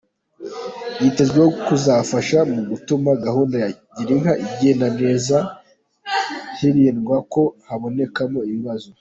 Yitezweho kuzafasha mu gutuma gahunda ya Girinka igenda neza, hirindwa ko habonekamo ibibazo.